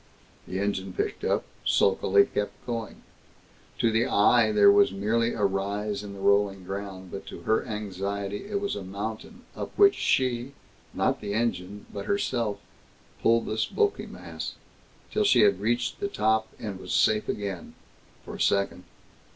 The engine picked up, sulkily kept going. To the eye, there was merely a rise in the rolling ground, but to her anxiety it was a mountain up which she not the engine, but herself pulled this bulky mass, till she had reached the top, and was safe again for a second.